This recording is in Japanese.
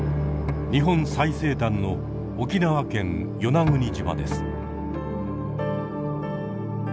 日本最西端の沖縄県与那国島です。